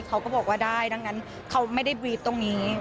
เขาก็บอกว่าได้ดังนั้นเขาไม่ได้บีฟตรงนี้